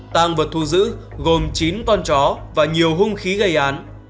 tăng vật thu giữ gồm chín con chó và nhiều hung khí gây án